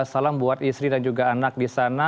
salam buat istri dan juga anak di sana